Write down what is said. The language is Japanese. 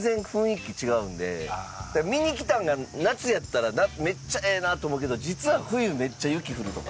見に来たんが夏やったらめっちゃええなと思うけど実は冬めっちゃ雪降るとか。